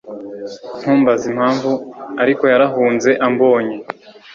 Ntumbaze impamvu ariko, yarahunze ambonye.